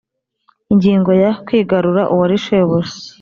Ingingo ya Kwigarura uwari shebuja